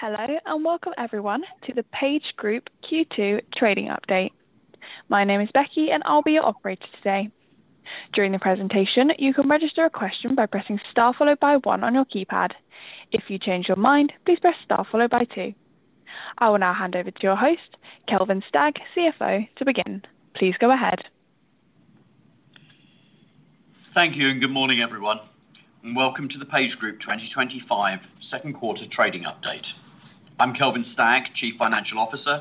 Hello and welcome, everyone, to the PageGroup Q2 trading update. My name is Becky, and I'll be your operator today. During the presentation, you can register a question by pressing star one on your keypad. If you change your mind, please press star two. I will now hand over to your host, Kelvin Stagg, CFO, to begin. Please go ahead. Thank you, and good morning, everyone, and welcome to the PageGroup 2025 second quarter trading update. I'm Kelvin Stagg, Chief Financial Officer,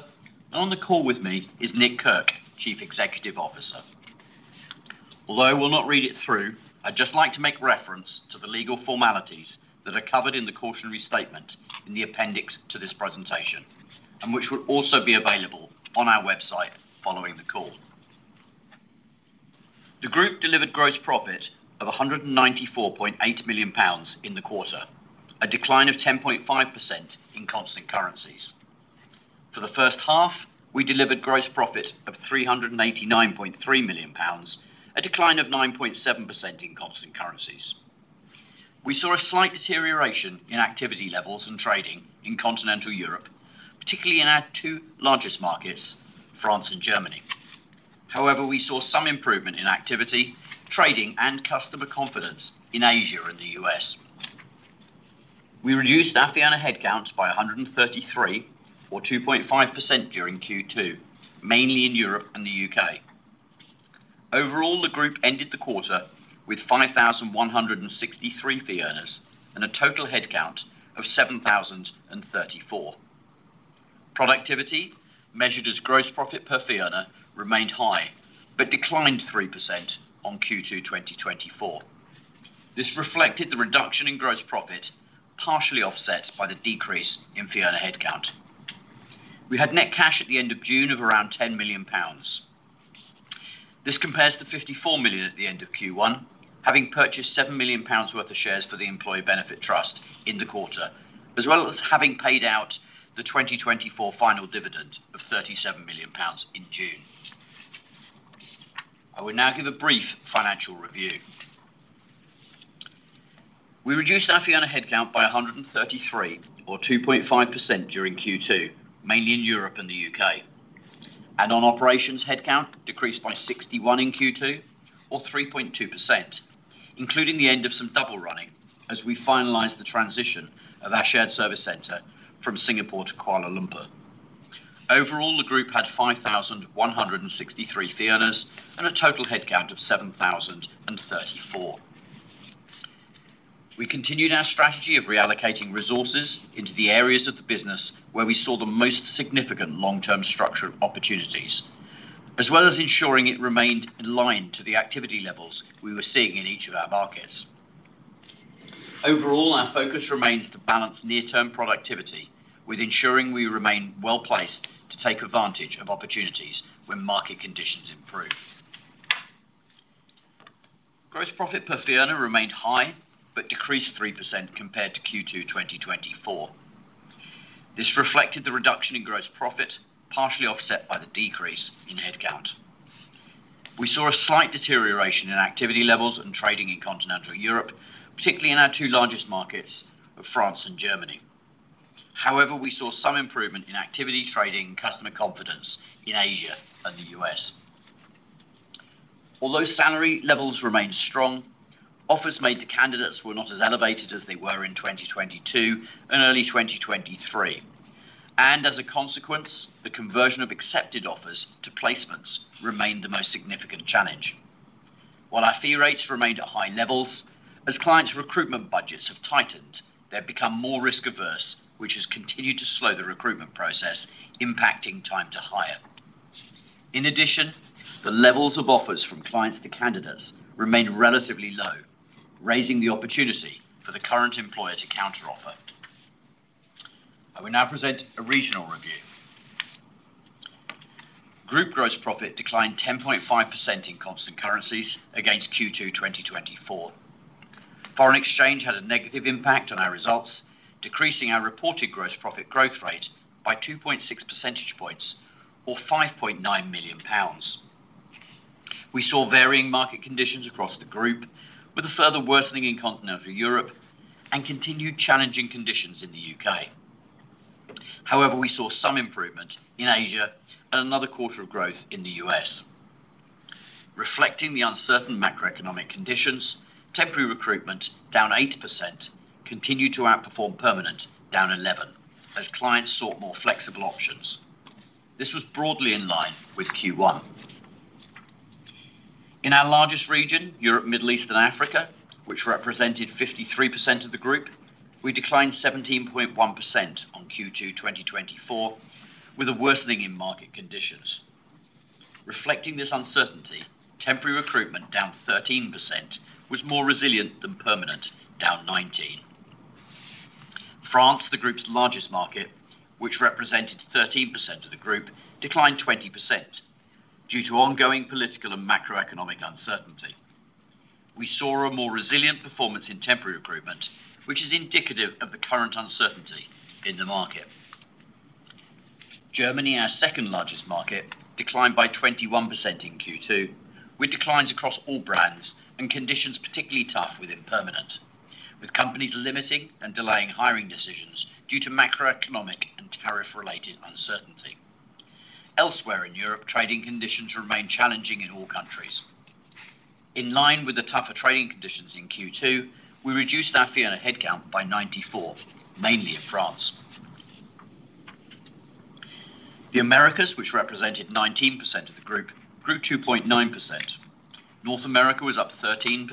and on the call with me is Nicholas Kirk, Chief Executive Officer. Although we'll not read it through, I'd just like to make reference to the legal formalities that are covered in the cautionary statement in the appendix to this presentation, and which will also be available on our website following the call. The group delivered gross profit of 194.8 million pounds in the quarter, a decline of 10.5% in constant currencies. For the first half, we delivered gross profit of 399.3 million pounds, a decline of 9.7% in constant currencies. We saw a slight deterioration in activity levels and trading in Continental Europe, particularly in our two largest markets, France and Germany. However, we saw some improvement in activity, trading, and customer confidence in Asia and the U.S. We reduced the fee earner headcount by 133, or 2.5%, during Q2, mainly in Europe and the U.K. Overall, the group ended the quarter with 5,163 fee earners and a total headcount of 7,034. Productivity, measured as gross profit per fee earner, remained high but declined 3% on Q2 2024. This reflected the reduction in gross profit, partially offset by the decrease in fee earner headcount. We had net cash at the end of June of around 10 million pounds. This compares to 54 million at the end of Q1, having purchased 7 million pounds worth of shares for the Employee Benefit Trust in the quarter, as well as having paid out the 2024 final dividend of 37 million pounds in June. I will now give a brief financial review. We reduced the fee earner headcount by 133, or 2.5%, during Q2, mainly in Europe and the U.K. On operations, headcount decreased by 61, or 3.2%, including the end of some double running as we finalized the transition of our shared service center from Singapore to Kuala Lumpur. Overall, the group had 5,163 fee earners and a total headcount of 7,034. We continued our strategy of reallocating resources into the areas of the business where we saw the most significant long-term structural opportunities, as well as ensuring it remained aligned to the activity levels we were seeing in each of our markets. Overall, our focus remains to balance near-term productivity with ensuring we remain well-placed to take advantage of opportunities when market conditions improve. Gross profit per fee earner remained high but decreased 3% compared to Q2 2024. This reflected the reduction in gross profit, partially offset by the decrease in headcount. We saw a slight deterioration in activity levels and trading in Continental Europe, particularly in our two largest markets of France and Germany. However, we saw some improvement in activity trading and customer confidence in Asia and the U.S. Although salary levels remained strong, offers made to candidates were not as elevated as they were in 2022 and early 2023. As a consequence, the conversion of accepted offers to placements remained the most significant challenge. While our fee rates remained at high levels, as clients' recruitment budgets have tightened, they have become more risk-averse, which has continued to slow the recruitment process, impacting time to hire. In addition, the levels of offers from clients to candidates remained relatively low, raising the opportunity for the current employer to counter-offer. I will now present a regional review. Group gross profit declined 10.5% in constant currencies against Q2 2024. Foreign exchange had a negative impact on our results, decreasing our reported gross profit growth rate by 2.6 percentage points, or 5.9 million pounds. We saw varying market conditions across the group, with a further worsening in Continental Europe and continued challenging conditions in the U.K. However, we saw some improvement in Asia and another quarter of growth in the U.S. Reflecting the uncertain macroeconomic conditions, temporary recruitment down 8% continued to outperform permanent down 11% as clients sought more flexible options. This was broadly in line with Q1. In our largest region, Europe, Middle East, and Africa, which represented 53% of the group, we declined 17.1% on Q2 2024, with a worsening in market conditions. Reflecting this uncertainty, temporary recruitment down 13% was more resilient than permanent down 19%. France, the group's largest market, which represented 13% of the group, declined 20% due to ongoing political and macroeconomic uncertainty. We saw a more resilient performance in temporary recruitment, which is indicative of the current uncertainty in the market. Germany, our second largest market, declined by 21% in Q2, with declines across all brands and conditions particularly tough within permanent, with companies limiting and delaying hiring decisions due to macroeconomic and tariff-related uncertainty. Elsewhere in Europe, trading conditions remain challenging in all countries. In line with the tougher trading conditions in Q2, we reduced our headcount by 94, mainly in France. The Americas, which represented 19% of the group, grew 2.9%. North America was up 13%,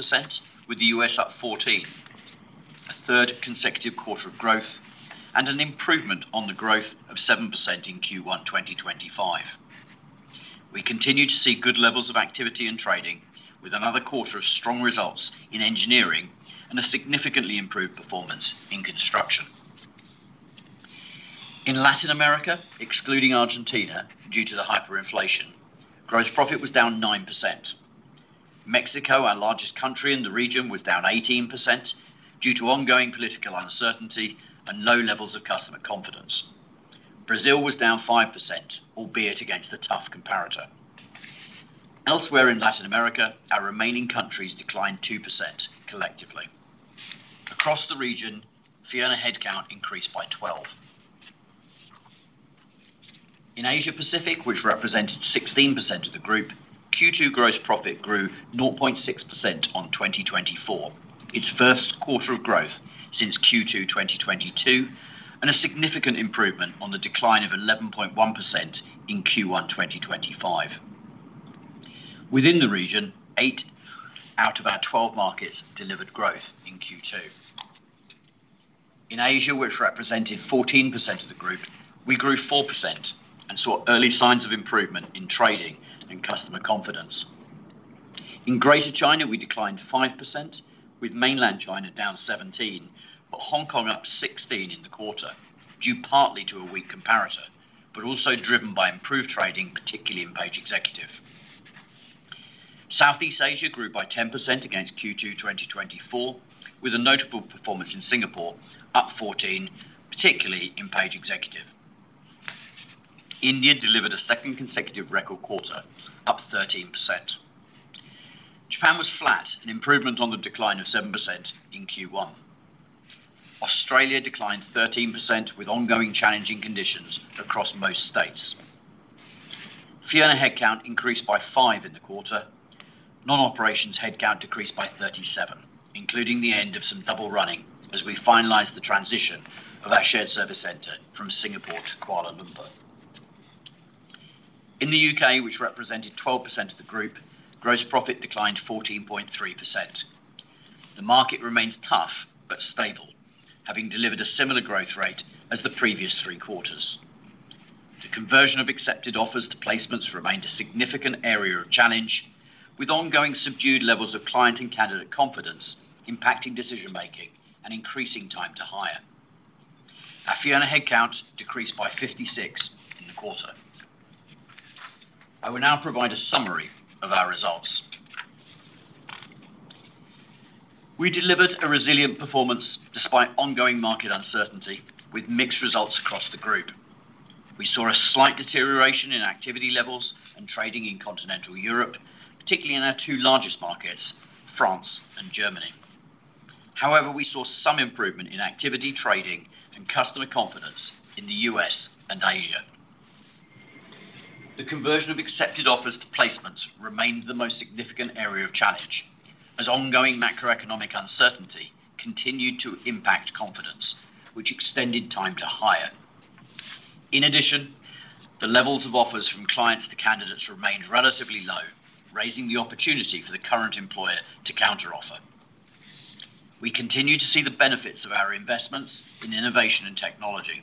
with the U.S. up 14%. A third consecutive quarter of growth and an improvement on the growth of 7% in Q1 2025. We continue to see good levels of activity in trading, with another quarter of strong results in engineering and a significantly improved performance in construction. In Latin America, excluding Argentina due to the hyperinflation, gross profit was down 9%. Mexico, our largest country in the region, was down 18% due to ongoing political uncertainty and low levels of customer confidence. Brazil was down 5%, albeit against a tough comparator. Elsewhere in Latin America, our remaining countries declined 2% collectively. Across the region, headcount increased by 12%. In Asia-Pacific, which represented 16% of the group, Q2 gross profit grew 0.6% on 2024, its first quarter of growth since Q2 2022, and a significant improvement on the decline of 11.1% in Q1 2025. Within the region, 8 out of our 12 markets delivered growth in Q2. In Asia, which represented 14% of the group, we grew 4% and saw early signs of improvement in trading and customer confidence. In Greater China, we declined 5%, with mainland China down 17%, but Hong Kong up 16% in the quarter, due partly to a weak comparator, but also driven by improved trading, particularly in Page Executive. Southeast Asia grew by 10% against Q2 2024, with a notable performance in Singapore, up 14%, particularly in Page Executive. India delivered a second consecutive record quarter, up 13%. Japan was flat, an improvement on the decline of 7% in Q1. Australia declined 13%, with ongoing challenging conditions across most states. Headcount increased by 5% in the quarter. Non-operations headcount decreased by 37%, including the end of some double running as we finalized the transition of our shared service center from Singapore to Kuala Lumpur. In the U.K., which represented 12% of the group, gross profit declined 14.3%. The market remains tough but stable, having delivered a similar growth rate as the previous three quarters. The conversion of accepted offers to placements remained a significant area of challenge, with ongoing subdued levels of client and candidate confidence impacting decision-making and increasing time to hire. Our headcount decreased by 56 in the quarter. I will now provide a summary of our results. We delivered a resilient performance despite ongoing market uncertainty, with mixed results across the group. We saw a slight deterioration in activity levels and trading in Continental Europe, particularly in our two largest markets, France and Germany. However, we saw some improvement in activity, trading, and customer confidence in the U.S. and Asia. The conversion of accepted offers to placements remained the most significant area of challenge, as ongoing macroeconomic uncertainty continued to impact confidence, which extended time to hire. In addition, the levels of offers from clients to candidates remained relatively low, raising the opportunity for the current employer to counter-offer. We continue to see the benefits of our investments in innovation and technology.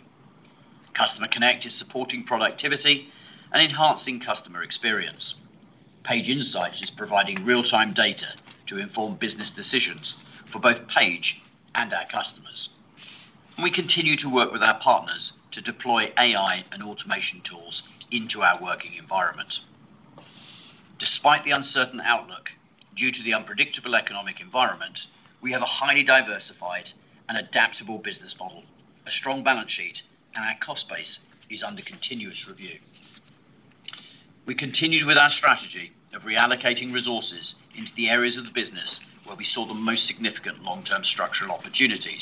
Customer Connect is supporting productivity and enhancing customer experience. Page Insights is providing real-time data to inform business decisions for both PageGroup and our customers. We continue to work with our partners to deploy AI and automation tools into our working environment. Despite the uncertain outlook due to the unpredictable economic environment, we have a highly diversified and adaptable business model, a strong balance sheet, and our cost base is under continuous review. We continued with our strategy of reallocating resources into the areas of the business where we saw the most significant long-term structural opportunities,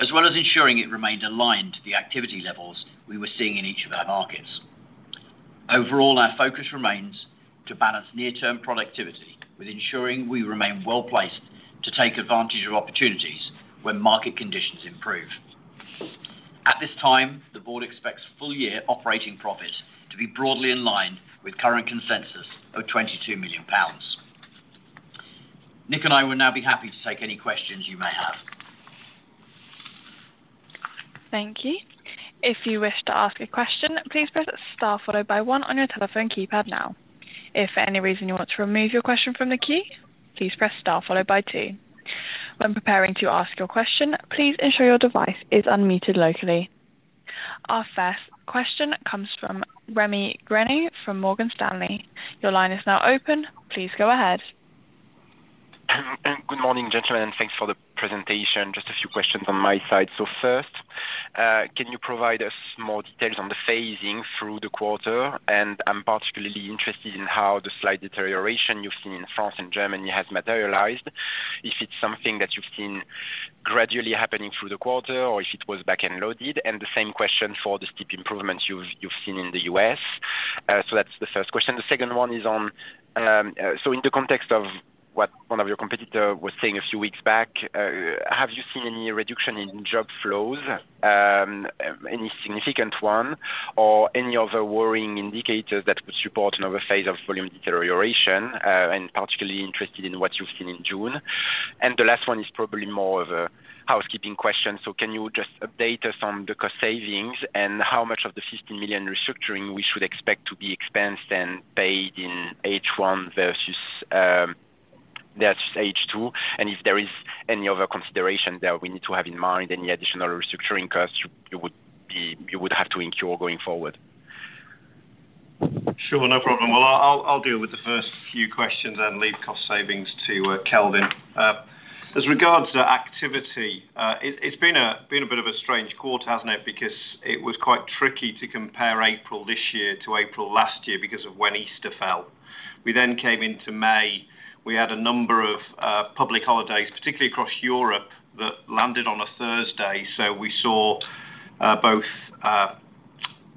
as well as ensuring it remained aligned to the activity levels we were seeing in each of our markets. Overall, our focus remains to balance near-term productivity with ensuring we remain well-placed to take advantage of opportunities when market conditions improve. At this time, the board expects full-year operating profit to be broadly in line with current consensus of £22 million. Nick and I will now be happy to take any questions you may have. Thank you. If you wish to ask a question, please press star 1 on your telephone keypad now. If for any reason you want to remove your question from the queue, please press star 2. When preparing to ask your question, please ensure your device is unmuted locally. Our first question comes from Rémi Grenu from Morgan Stanley. Your line is now open. Please go ahead. Good morning, gentlemen, and thanks for the presentation. I have a few questions on my side. First, can you provide us more details on the phasing through the quarter? I'm particularly interested in how the slight deterioration you've seen in France and Germany has materialized, if it's something that you've seen gradually happening through the quarter or if it was back-end loaded. I have the same question for the steep improvement you've seen in the U.S. That's the first question. The second one is, in the context of what one of your competitors was saying a few weeks back, have you seen any reduction in job flows, any significant one, or any other worrying indicators that would support another phase of volume deterioration? I'm particularly interested in what you've seen in June. The last one is probably more of a housekeeping question. Can you just update us on the cost savings and how much of the 15 million restructuring we should expect to be expensed and paid in H1 versus H2? If there is any other consideration that we need to have in mind, any additional restructuring costs you would have to incur going forward? Sure, no problem. I'll deal with the first few questions and leave cost savings to Kelvin. As regards to activity, it's been a bit of a strange quarter, hasn't it? It was quite tricky to compare April this year to April last year because of when Easter fell. We then came into May. We had a number of public holidays, particularly across Europe, that landed on a Thursday. We saw both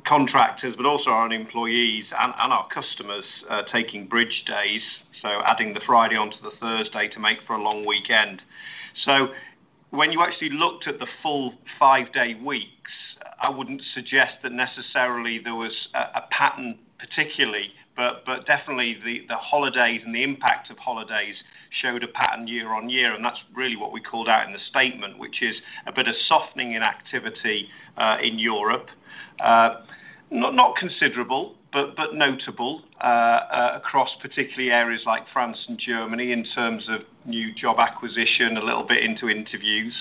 contractors, but also our own employees and our customers taking bridge days, adding the Friday onto the Thursday to make for a long weekend. When you actually looked at the full five-day weeks, I wouldn't suggest that necessarily there was a pattern particularly, but definitely the holidays and the impact of holidays showed a pattern year on year. That's really what we called out in the statement, which is a bit of softening in activity in Europe. Not considerable, but notable across particularly areas like France and Germany in terms of new job acquisition, a little bit into interviews.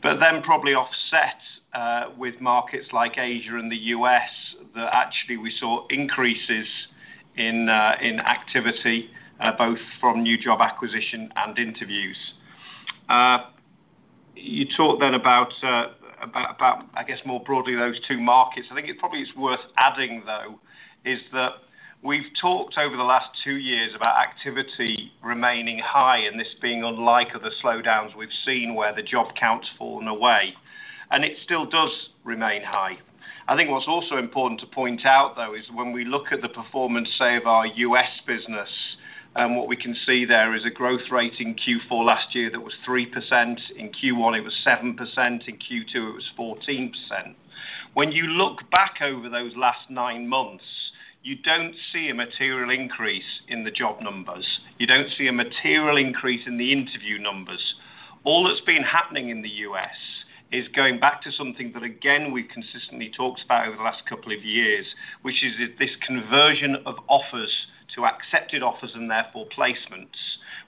Probably offset with markets like Asia and the U.S. that actually we saw increases in activity, both from new job acquisition and interviews. You talked then about, I guess, more broadly those two markets. I think it probably is worth adding, though, that we've talked over the last two years about activity remaining high and this being unlike other slowdowns we've seen where the job counts fallen away. It still does remain high. I think what's also important to point out, though, is when we look at the performance, say, of our US business, what we can see there is a growth rate in Q4 last year that was 3%. In Q1, it was 7%. In Q2, it was 14%. When you look back over those last nine months, you don't see a material increase in the job numbers. You don't see a material increase in the interview numbers. All that's been happening in the U.S. is going back to something that, again, we've consistently talked about over the last couple of years, which is this conversion of offers to accepted offers and therefore placements,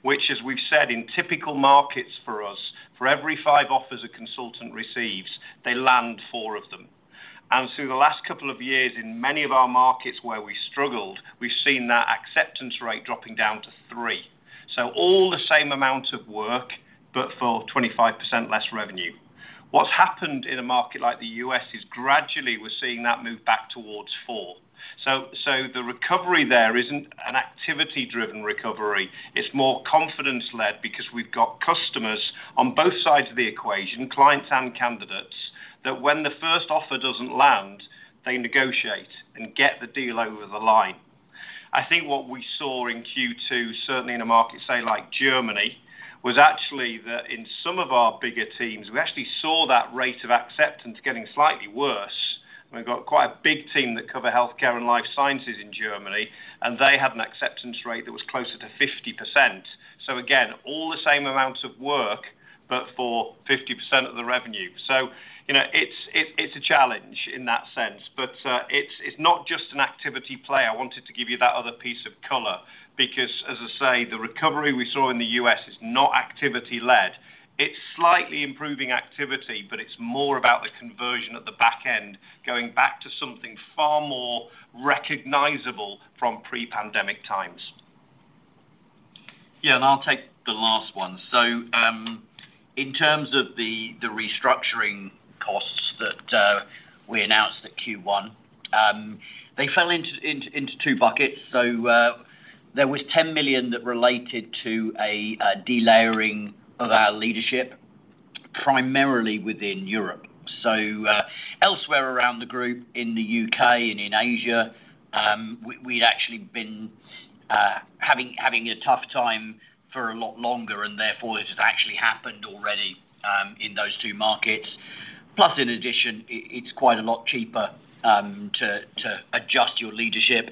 which, as we've said, in typical markets for us, for every five offers a consultant receives, they land four of them. Through the last couple of years, in many of our markets where we struggled, we've seen that acceptance rate dropping down to three. All the same amount of work, but for 25% less revenue. What's happened in a market like the U.S. is gradually we're seeing that move back towards four. The recovery there isn't an activity-driven recovery. It's more confidence-led because we've got customers on both sides of the equation, clients and candidates, that when the first offer doesn't land, they negotiate and get the deal over the line. I think what we saw in Q2, certainly in a market, say, like Germany, was actually that in some of our bigger teams, we actually saw that rate of acceptance getting slightly worse. We've got quite a big team that cover healthcare and life sciences in Germany, and they had an acceptance rate that was closer to 50%. All the same amounts of work, but for 50% of the revenue. You know it's a challenge in that sense. It's not just an activity play. I wanted to give you that other piece of color because, as I say, the recovery we saw in the U.S. is not activity-led. It's slightly improving activity, but it's more about the conversion at the back end, going back to something far more recognizable from pre-pandemic times. Yeah, I'll take the last one. In terms of the restructuring costs that we announced at Q1, they fell into two buckets. There was 10 million that related to a delayering of our leadership, primarily within Europe. Elsewhere around the group, in the U.K. and in Asia, we'd actually been having a tough time for a lot longer, and therefore it has actually happened already in those two markets. Plus, in addition, it's quite a lot cheaper to adjust your leadership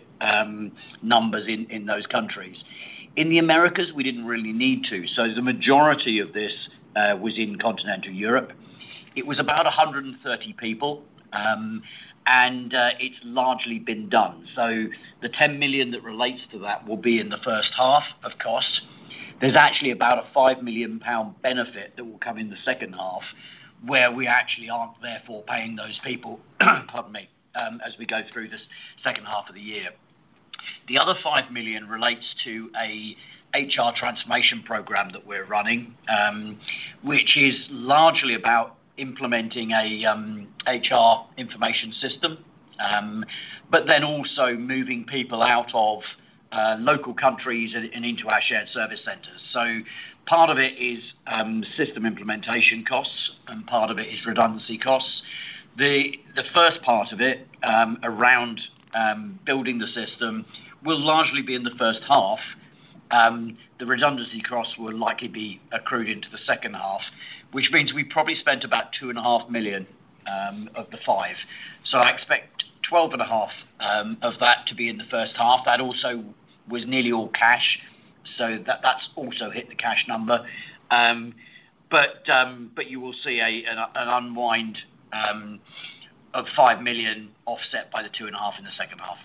numbers in those countries. In the Americas, we didn't really need to. The majority of this was in Continental Europe. It was about 130 people, and it's largely been done. The 10 million that relates to that will be in the first half of costs. There's actually about a 5 million pound benefit that will come in the second half where we actually aren't therefore paying those people, as we go through this second half of the year. The other 5 million relates to an HR transformation program that we're running, which is largely about implementing an HR information system, but then also moving people out of local countries and into our shared service centers. Part of it is system implementation costs, and part of it is redundancy costs. The first part of it around building the system will largely be in the first half. The redundancy costs will likely be accrued into the second half, which means we probably spent about 2.5 million of the five. I expect 12.5 million of that to be in the first half. That also was nearly all cash, so that's also hit the cash number. You will see an unwind of 5 million offset by the 2.5 million in the second half.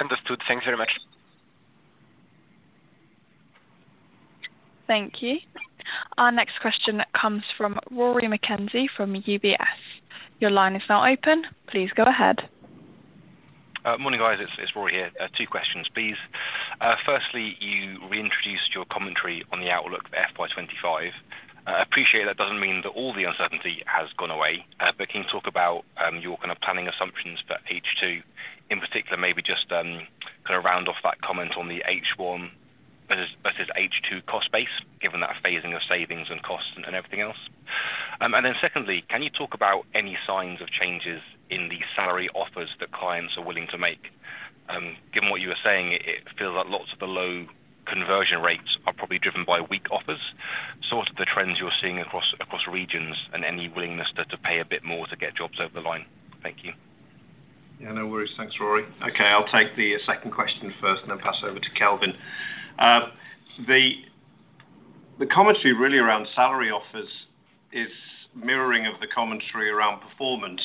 Understood. Thanks very much. Thank you. Our next question comes from Rory McKenzie from UBS. Your line is now open. Please go ahead. Morning, guys. It's Rory here. Two questions, please. Firstly, you reintroduced your commentary on the outlook for FY25. I appreciate that doesn't mean that all the uncertainty has gone away, but can you talk about your kind of planning assumptions for H2? In particular, maybe just kind of round off that comment on the H1 versus H2 cost base, given that phasing of savings and costs and everything else. Secondly, can you talk about any signs of changes in the salary offers that clients are willing to make? Given what you were saying, it feels like lots of the low conversion rates are probably driven by weak offers. What are the trends you're seeing across regions and any willingness to pay a bit more to get jobs over the line? Thank you. Yeah, no worries. Thanks, Rory. Okay, I'll take the second question first and then pass over to Kelvin. The commentary really around salary offers is mirroring of the commentary around performance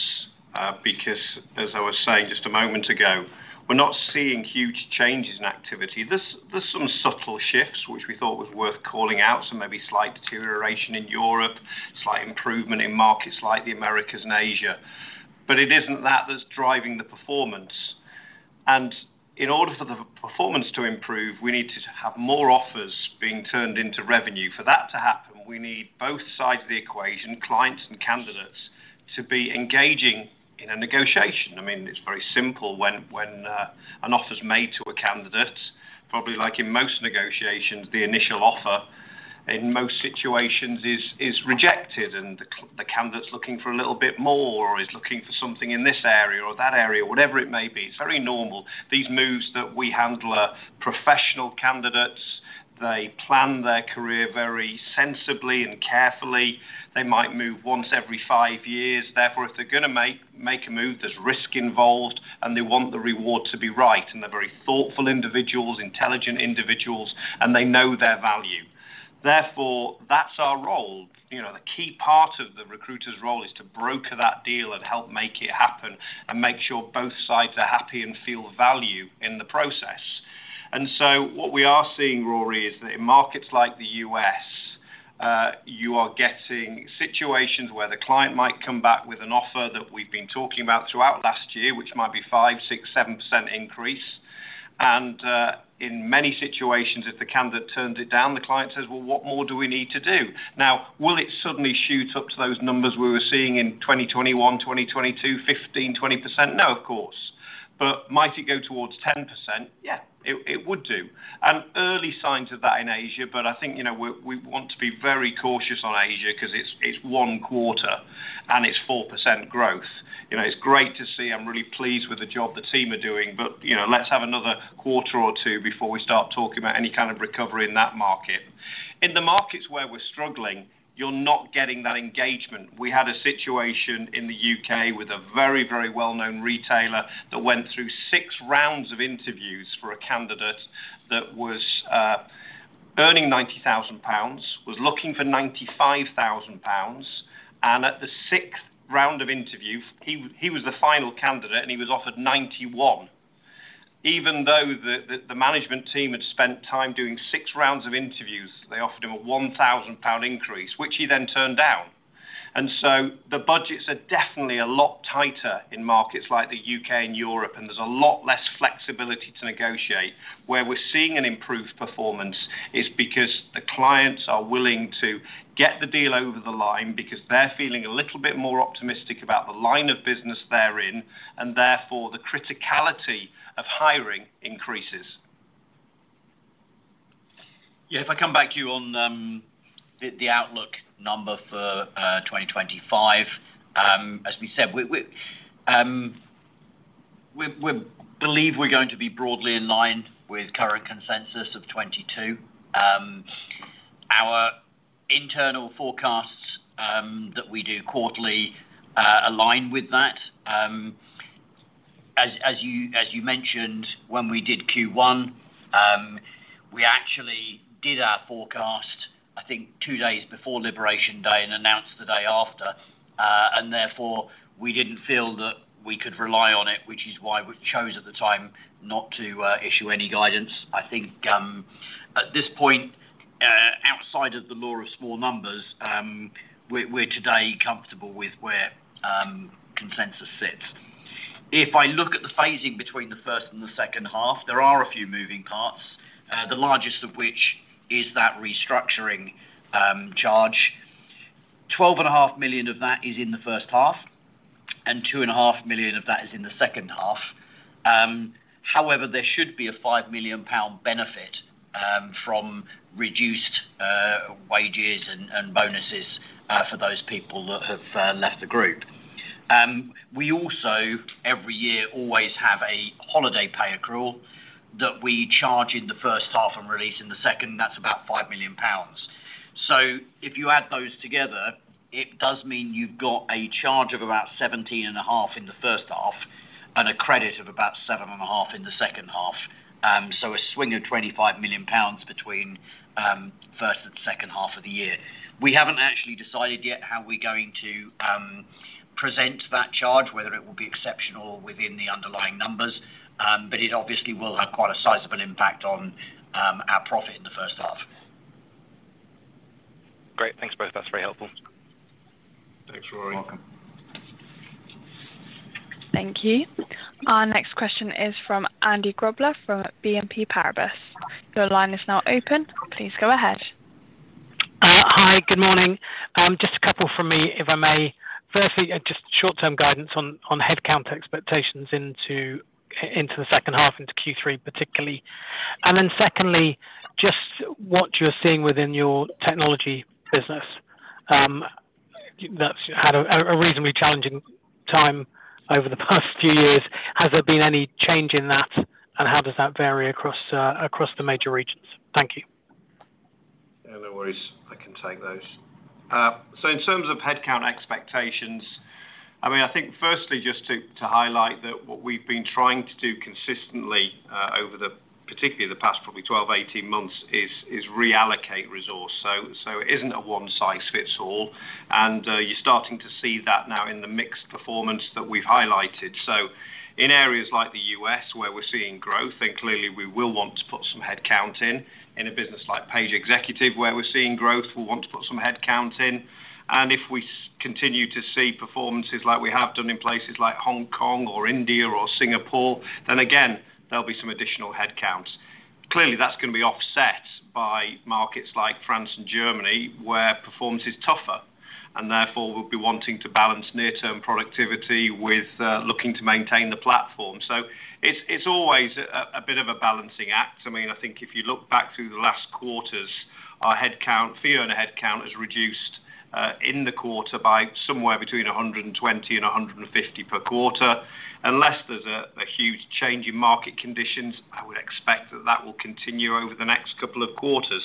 because, as I was saying just a moment ago, we're not seeing huge changes in activity. There's some subtle shifts, which we thought was worth calling out, so maybe slight deterioration in Europe, slight improvement in markets like the Americas and Asia. It isn't that that's driving the performance. In order for the performance to improve, we need to have more offers being turned into revenue. For that to happen, we need both sides of the equation, clients and candidates, to be engaging in a negotiation. I mean, it's very simple. When an offer is made to a candidate, probably like in most negotiations, the initial offer in most situations is rejected, and the candidate's looking for a little bit more or is looking for something in this area or that area or whatever it may be. It's very normal. These moves that we handle are professional candidates. They plan their career very sensibly and carefully. They might move once every five years. Therefore, if they're going to make a move, there's risk involved, and they want the reward to be right. They're very thoughtful individuals, intelligent individuals, and they know their value. Therefore, that's our role. The key part of the recruiter's role is to broker that deal and help make it happen and make sure both sides are happy and feel value in the process. What we are seeing, Rory, is that in markets like the U.S., you are getting situations where the client might come back with an offer that we've been talking about throughout last year, which might be 5%, 6%, 7% increase. In many situations, if the candidate turns it down, the client says, "What more do we need to do?" Now, will it suddenly shoot up to those numbers we were seeing in 2021, 2022, 15%, 20%? No, of course. Might it go towards 10%? Yeah, it would do. Early signs of that in Asia, but I think we want to be very cautious on Asia because it's one quarter and it's 4% growth. It's great to see. I'm really pleased with the job the team are doing, but let's have another quarter or two before we start talking about any kind of recovery in that market. In the markets where we're struggling, you're not getting that engagement. We had a situation in the U.K. with a very, very well-known retailer that went through six rounds of interviews for a candidate that was earning 90,000 pounds, was looking for 95,000 pounds, and at the sixth round of interview, he was the final candidate and he was offered 91,000. Even though the management team had spent time doing six rounds of interviews, they offered him a 1,000 pound increase, which he then turned down. The budgets are definitely a lot tighter in markets like the U.K. and Europe, and there's a lot less flexibility to negotiate. Where we're seeing an improved performance is because the clients are willing to get the deal over the line because they're feeling a little bit more optimistic about the line of business they're in, and therefore the criticality of hiring increases. Yeah, if I come back to you on the outlook number for 2025, as we said, we believe we're going to be broadly in line with current consensus of 22. Our internal forecasts that we do quarterly align with that. As you mentioned, when we did Q1, we actually did our forecast, I think, two days before Liberation Day and announced the day after. Therefore, we didn't feel that we could rely on it, which is why we chose at the time not to issue any guidance. I think at this point, outside of the law of small numbers, we're today comfortable with where consensus sits. If I look at the phasing between the first and the second half, there are a few moving parts, the largest of which is that restructuring charge. 12.5 million of that is in the first half, and 2.5 million of that is in the second half. However, there should be a 5 million pound benefit from reduced wages and bonuses for those people that have left the group. We also, every year, always have a holiday pay accrual that we charge in the first half and release in the second. That's about 5 million pounds. If you add those together, it does mean you've got a charge of about 17.5 million in the first half and a credit of about 7.5 million in the second half. A swing of 25 million pounds between first and second half of the year. We haven't actually decided yet how we're going to present that charge, whether it will be exceptional within the underlying numbers, but it obviously will have quite a sizable impact on our profit in the first half. Great. Thanks both. That's very helpful. Thanks, Rory. You're welcome. Thank you. Our next question is from Andrew Grobler from BNP Paribas. Your line is now open. Please go ahead. Hi. Good morning. Just a couple from me, if I may. Firstly, just short-term guidance on headcount expectations into the second half, into Q3 particularly. Secondly, just what you're seeing within your technology business that's had a reasonably challenging time over the past few years. Has there been any change in that, and how does that vary across the major regions? Thank you. Yeah, no worries. I can take those. In terms of headcount expectations, I think firstly just to highlight that what we've been trying to do consistently over the, particularly the past probably 12, 18 months, is reallocate resource. It isn't a one-size-fits-all. You're starting to see that now in the mixed performance that we've highlighted. In areas like the U.S. where we're seeing growth, then clearly we will want to put some headcount in. In a business like Page Executive, where we're seeing growth, we'll want to put some headcount in. If we continue to see performances like we have done in places like Hong Kong or India or Singapore, then again, there'll be some additional headcount. Clearly, that's going to be offset by markets like France and Germany where performance is tougher. Therefore, we'll be wanting to balance near-term productivity with looking to maintain the platform. It's always a bit of a balancing act. I think if you look back through the last quarters, our headcount, full-time headcount, has reduced in the quarter by somewhere between 120 and 150 per quarter. Unless there's a huge change in market conditions, I would expect that that will continue over the next couple of quarters.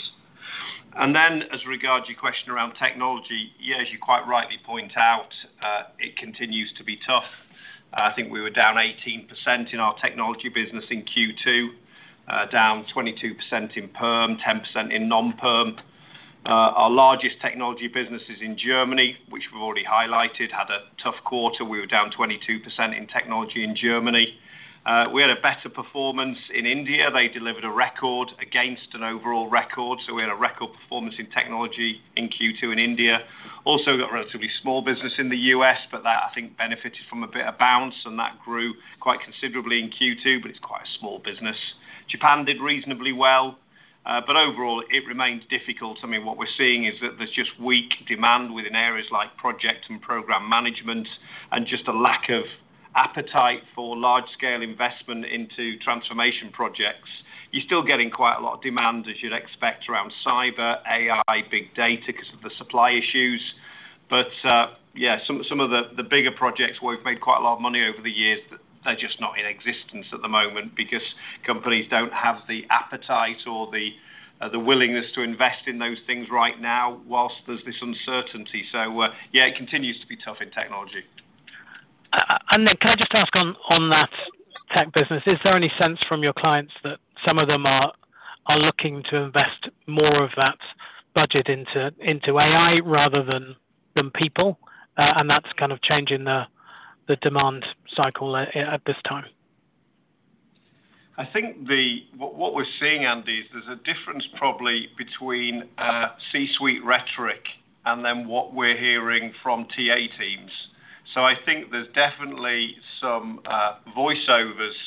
As regards your question around technology, as you quite rightly point out, it continues to be tough. I think we were down 18% in our technology business in Q2, down 22% in perm, 10% in non-perm. Our largest technology businesses in Germany, which we've already highlighted, had a tough quarter. We were down 22% in technology in Germany. We had a better performance in India. They delivered a record against an overall record. We had a record performance in technology in Q2 in India. Also, we've got a relatively small business in the U.S., but that I think benefited from a bit of bounce, and that grew quite considerably in Q2, but it's quite a small business. Japan did reasonably well. Overall, it remains difficult. What we're seeing is that there's just weak demand within areas like project and program management and just a lack of appetite for large-scale investment into transformation projects. You're still getting quite a lot of demand, as you'd expect, around cyber, AI, big data because of the supply issues. Some of the bigger projects where we've made quite a lot of money over the years, they're just not in existence at the moment because companies don't have the appetite or the willingness to invest in those things right now whilst there's this uncertainty. It continues to be tough in technology. Can I just ask on that tech business, is there any sense from your clients that some of them are looking to invest more of that budget into AI rather than people? That's kind of changing the demand cycle at this time. I think what we're seeing, Andy, is there's a difference probably between C-suite rhetoric and then what we're hearing from TA teams. I think there's definitely some voiceovers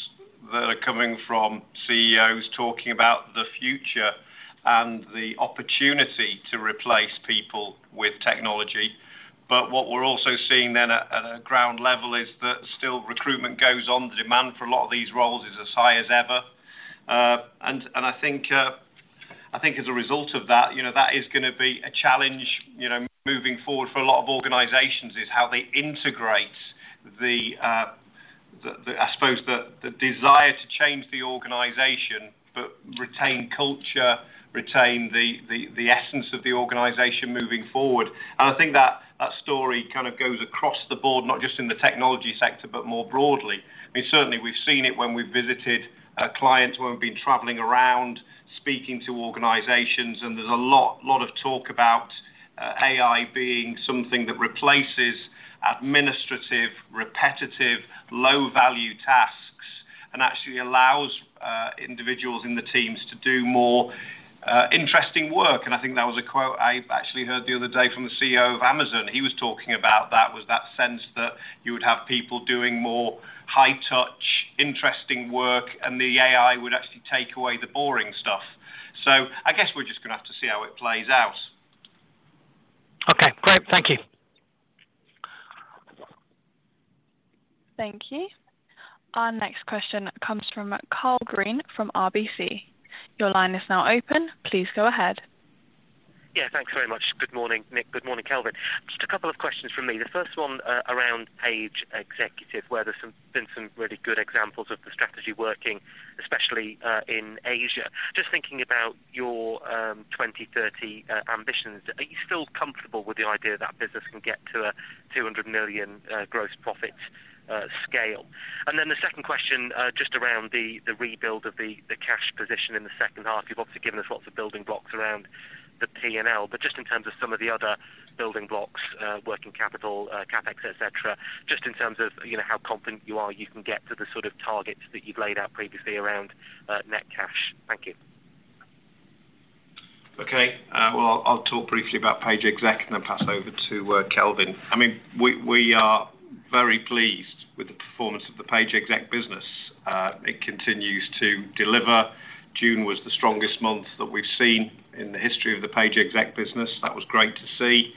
that are coming from CEOs talking about the future and the opportunity to replace people with technology. What we're also seeing at a ground level is that still recruitment goes on. The demand for a lot of these roles is as high as ever. I think as a result of that, you know that is going to be a challenge moving forward for a lot of organizations, how they integrate the, I suppose, the desire to change the organization but retain culture, retain the essence of the organization moving forward. I think that story kind of goes across the board, not just in the technology sector, but more broadly. Certainly we've seen it when we've visited clients, when we've been traveling around speaking to organizations, and there's a lot of talk about AI being something that replaces administrative, repetitive, low-value tasks and actually allows individuals in the teams to do more interesting work. I think that was a quote I actually heard the other day from the CEO of Amazon. He was talking about that sense that you would have people doing more high-touch, interesting work, and the AI would actually take away the boring stuff. I guess we're just going to have to see how it plays out. Okay. Great. Thank you. Thank you. Our next question comes from Karl Green from RBC. Your line is now open. Please go ahead. Yeah, thanks very much. Good morning, Nick. Good morning, Kelvin. Just a couple of questions from me. The first one around Page Executive, where there's been some really good examples of the strategy working, especially in Asia. Just thinking about your 2030 ambitions, are you still comfortable with the idea that that business can get to a 200 million gross profit scale? The second question just around the rebuild of the cash position in the second half. You've obviously given us lots of building blocks around the P&L, but just in terms of some of the other building blocks, working capital, CapEx, et cetera, just in terms of how confident you are you can get to the sort of targets that you've laid out previously around net cash. Thank you. Okay. I'll talk briefly about Page Executive and then pass over to Kelvin. We are very pleased with the performance of the Page Executive business. It continues to deliver. June was the strongest month that we've seen in the history of the Page Executive business. That was great to see.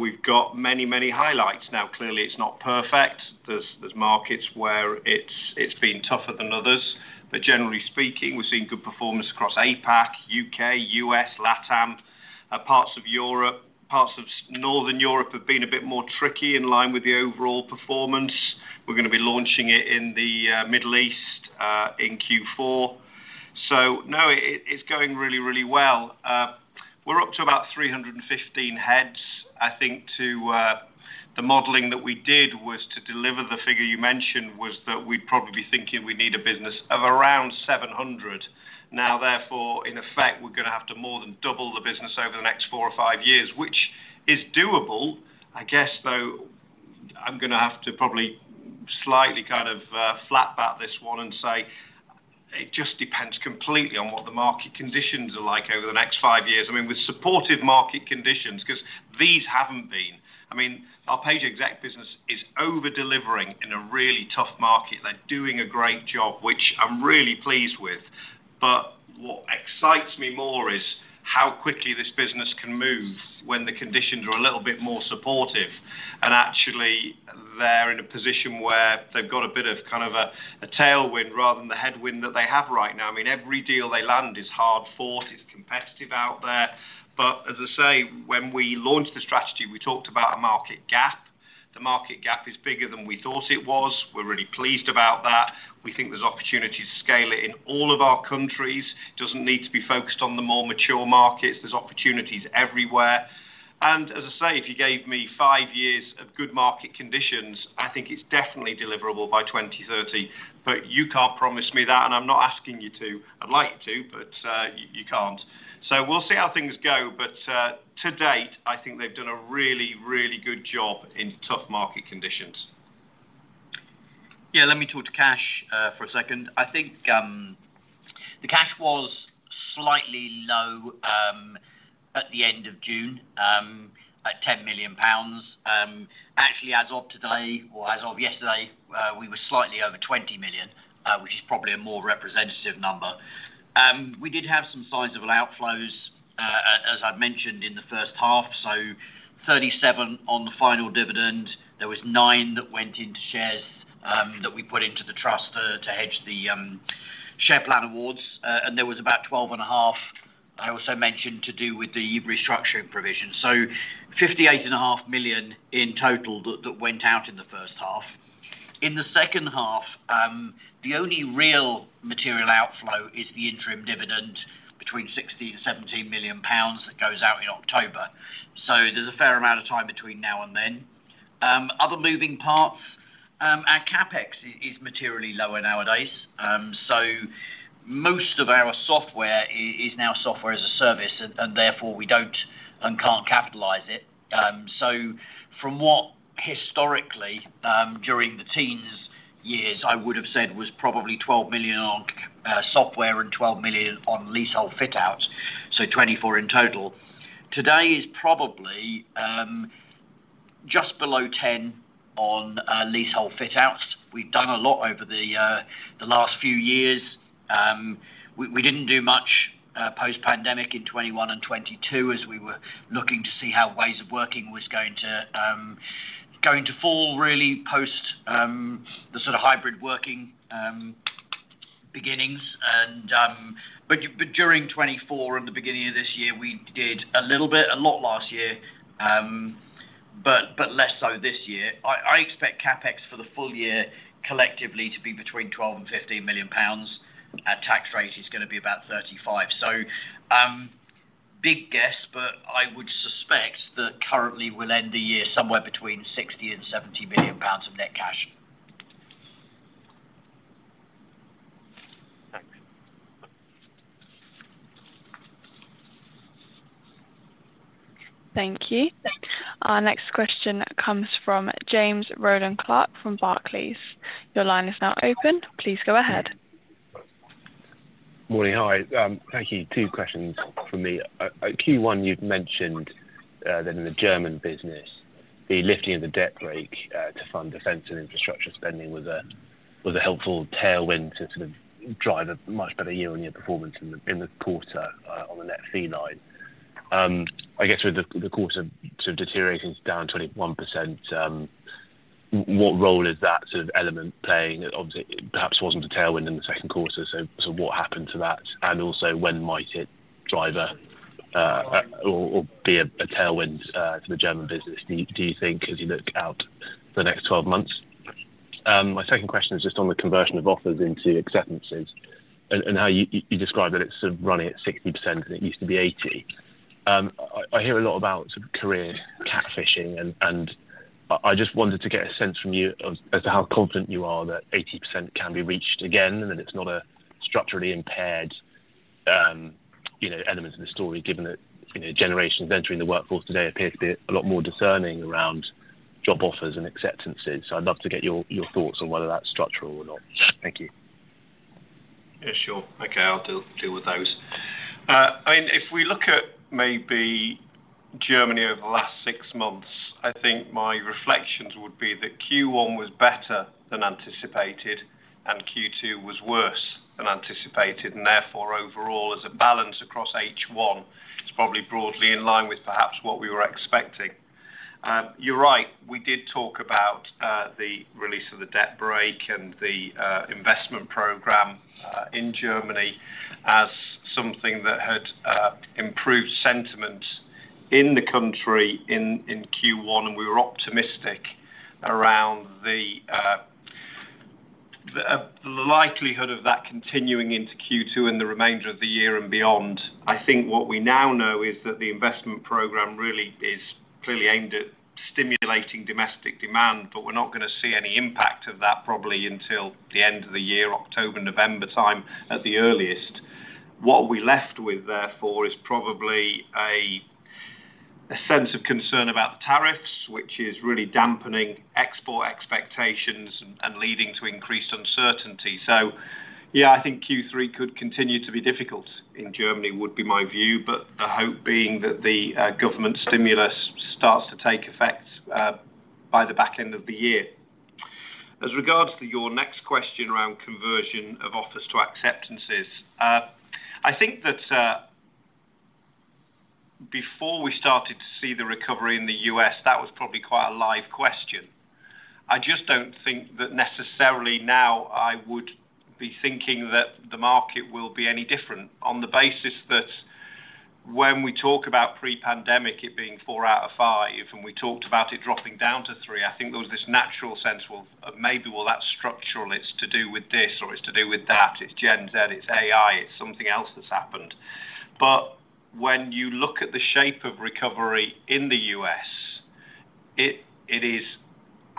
We've got many, many highlights now. Clearly, it's not perfect. There are markets where it's been tougher than others. Generally speaking, we've seen good performance across APAC, U.K., U.S., LATAM, and parts of Europe. Parts of Northern Europe have been a bit more tricky in line with the overall performance. We're going to be launching it in the Middle East in Q4. It's going really, really well. We're up to about 315 heads. I think the modeling that we did to deliver the figure you mentioned was that we'd probably be thinking we'd need a business of around 700. Therefore, in effect, we're going to have to more than double the business over the next four or five years, which is doable. I guess, though, I'm going to have to probably slightly kind of flap out this one and say it just depends completely on what the market conditions are like over the next five years. With supportive market conditions, because these haven't been, our Page Executive business is overdelivering in a really tough market. They're doing a great job, which I'm really pleased with. What excites me more is how quickly this business can move when the conditions are a little bit more supportive. Actually, they're in a position where they've got a bit of a tailwind rather than the headwind that they have right now. Every deal they land is hard fought. It's competitive out there. When we launched the strategy, we talked about a market gap. The market gap is bigger than we thought it was. We're really pleased about that. We think there's opportunities to scale it in all of our countries. It doesn't need to be focused on the more mature markets. There are opportunities everywhere. If you gave me five years of good market conditions, I think it's definitely deliverable by 2030. You can't promise me that, and I'm not asking you to. I'd like you to, but you can't. We'll see how things go. To date, I think they've done a really, really good job in tough market conditions. Yeah, let me talk to cash for a second. I think the cash was slightly low at the end of June, at 10 million pounds. Actually, as of today, as of yesterday, we were slightly over 20 million, which is probably a more representative number. We did have some sizable outflows, as I've mentioned, in the first half. 37 million on the final dividend. There was 9 million that went into shares that we put into the trust to hedge the Share Plan Awards. There was about 12.5 million, I also mentioned, to do with the restructuring provision. 58.5 million in total went out in the first half. In the second half, the only real material outflow is the interim dividend between 16 million and 17 million pounds that goes out in October. There's a fair amount of time between now and then. Other moving parts, our CapEx is materially lower nowadays. Most of our software is now software as a service, and therefore we don't and can't capitalize it. Historically, during the teens years, I would have said it was probably 12 million on software and 12 million on leasehold fit-outs, so 24 million in total. Today, it's probably just below 10 million on leasehold fit-outs. We've done a lot over the last few years. We didn't do much post-pandemic in 2021 and 2022 as we were looking to see how ways of working were going to fall really post the sort of hybrid working beginnings. During 2024 and the beginning of this year, we did a little bit, a lot last year, but less so this year. I expect CapEx for the full year collectively to be between 12 million and 15 million pounds. Our tax rate is going to be about 35%. Big guess, but I would suspect that currently we'll end the year somewhere between 60 million and 70 million pounds of net cash. Thanks. Thank you. Our next question comes from James Rowland Clark from Barclays. Your line is now open. Please go ahead. Morning. Hi. Thank you. Two questions from me. At Q1, you've mentioned that in the German business, the lifting of the debt rate to fund defense and infrastructure spending was a helpful tailwind to sort of drive a much better year-on-year performance in the quarter on the net fee line. I guess with the quarter sort of deteriorating to down 21%, what role is that sort of element playing? Obviously, it perhaps wasn't a tailwind in the second quarter. What happened to that? Also, when might it drive or be a tailwind for the German business, do you think, as you look out for the next 12 months? My second question is just on the conversion of offers into acceptances and how you describe that it's sort of running at 60% and it used to be 80%. I hear a lot about sort of career catfishing, and I just wanted to get a sense from you as to how confident you are that 80% can be reached again and that it's not a structurally impaired element of the story, given that generations entering the workforce today appear to be a lot more discerning around job offers and acceptances. I'd love to get your thoughts on whether that's structural or not. Thank you. Yeah, sure. Okay, I'll deal with those. If we look at maybe Germany over the last six months, I think my reflections would be that Q1 was better than anticipated and Q2 was worse than anticipated. Therefore, overall, as a balance across H1, it's probably broadly in line with perhaps what we were expecting. You're right. We did talk about the release of the debt break and the investment program in Germany as something that had improved sentiment in the country in Q1. We were optimistic around the likelihood of that continuing into Q2 and the remainder of the year and beyond. I think what we now know is that the investment program really is clearly aimed at stimulating domestic demand, but we're not going to see any impact of that probably until the end of the year, October, November time at the earliest. What we're left with, therefore, is probably a sense of concern about the tariffs, which is really dampening export expectations and leading to increased uncertainty. Yeah, I think Q3 could continue to be difficult in Germany, would be my view. The hope being that the government stimulus starts to take effect by the back end of the year. As regards to your next question around conversion of offers to acceptances, I think that before we started to see the recovery in the U.S., that was probably quite a live question. I just don't think that necessarily now I would be thinking that the market will be any different on the basis that when we talk about pre-pandemic it being four out of five and we talked about it dropping down to three, I think there was this natural sense, well, maybe, well, that's structural. It's to do with this or it's to do with that. It's Gen Z. It's AI. It's something else that's happened. When you look at the shape of recovery in the U.S., it is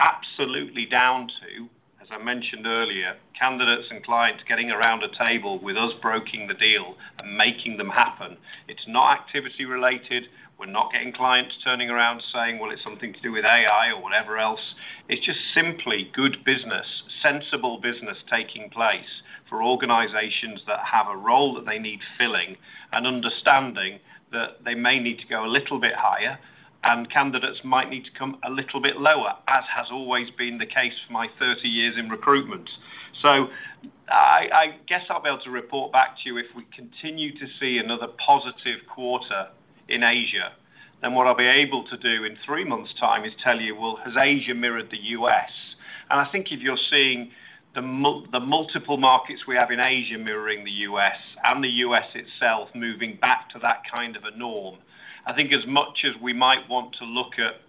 absolutely down to, as I mentioned earlier, candidates and clients getting around a table with us broking the deal and making them happen. It's not activity-related. We're not getting clients turning around saying, well, it's something to do with AI or whatever else. It's just simply good business, sensible business taking place for organizations that have a role that they need filling and understanding that they may need to go a little bit higher and candidates might need to come a little bit lower, as has always been the case for my 30 years in recruitment. I guess I'll be able to report back to you if we continue to see another positive quarter in Asia. We'll be able to do in three months' time. Tell you what? Asia mirrored the U.S. If you're seeing the multiple markets we have in Asia mirroring the U.S. and the U.S. itself moving back to that kind of a norm, as much as we might want to look at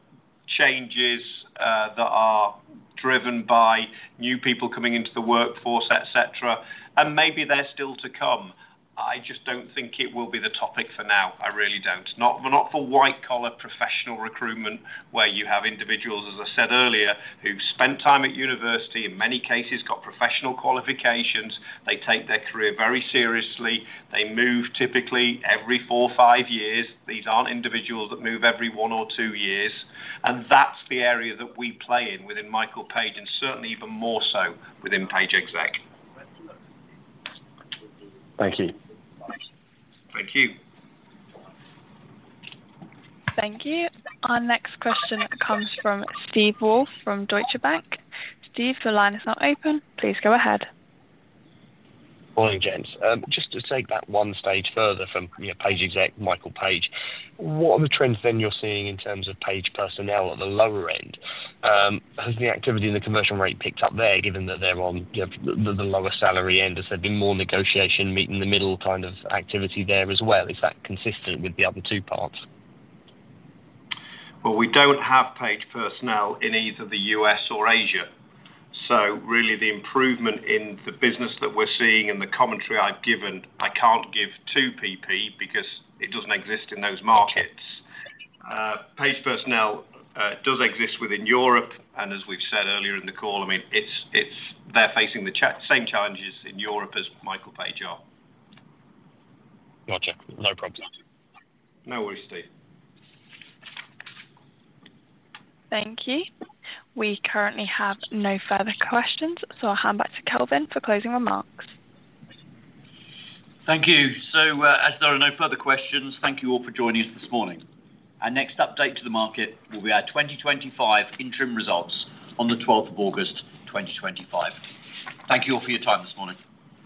changes that are driven by new people coming into the workforce, et cetera, and maybe they're still to come, I just don't think it will be the topic for now. I really don't. Not for white-collar professional recruitment where you have individuals, as I said earlier, who spent time at university, in many cases got professional qualifications. They take their career very seriously. They move typically every four or five years. These aren't individuals that move every one or two years. That's the area that we play in within Michael Page and certainly even more so within Page Executive. Thank you. Thank you. Thank you. Our next question comes from Steven Wolf from Deutsche Bank. Steve, your line is now open. Please go ahead. Morning, gents. Just to take that one stage further from Page Executive, Michael Page, what are the trends then you're seeing in terms of Page personnel at the lower end? Has the activity in the conversion rate picked up there, given that they're on the lower salary end? Has there been more negotiation, meeting the middle kind of activity there as well? Is that consistent with the other two parts? We don't have Page Personnel in either the U.S. or Asia. The improvement in the business that we're seeing and the commentary I've given, I can't give to PP because it doesn't exist in those markets. Page Personnel does exist within Europe, and as we've said earlier in the call, they're facing the same challenges in Europe as Michael Page are. Gotcha. No problem. No worries, Steven. Thank you. We currently have no further questions, so I'll hand back to Kelvin for closing remarks. Thank you. As there are no further questions, thank you all for joining us this morning. Our next update to the market will be our 2025 interim results on the 12th of August 2025. Thank you all for your time this morning.